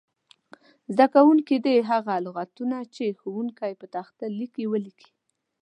زده کوونکي دې هغه لغتونه چې ښوونکی په تخته لیکي ولیکي.